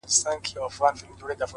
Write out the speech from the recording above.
بدلون د ودې برخه ده.!